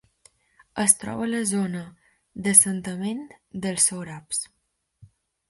Es troba a la zona d'assentament dels sòrabs.